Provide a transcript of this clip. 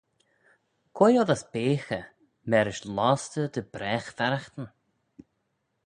Quoi oddys beaghey mârish lostey dy bragh farraghtyn?